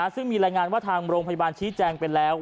ซึ่งมีรายงานว่าทางโรงพยาบาลชี้แจงไปแล้ว